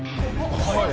はい。